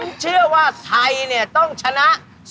ผมเชื่อว่าทัยต้องชนะ๒๑